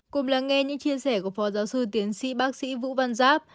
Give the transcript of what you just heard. cùng lắng nghe những chia sẻ của phó giáo sư tiến sĩ bác sĩ vũ văn giáp